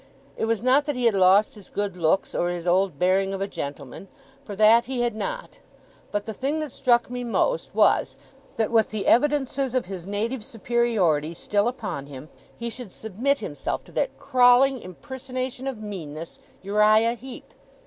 It was not that he had lost his good looks, or his old bearing of a gentleman for that he had not but the thing that struck me most, was, that with the evidences of his native superiority still upon him, he should submit himself to that crawling impersonation of meanness, Uriah Heep.